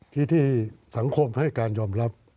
ที่ที่สังคมให้การยอมรับ